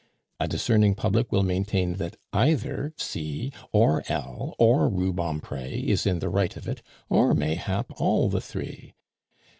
A discerning public will maintain that either C or L or Rubempre is in the right of it, or mayhap all the three.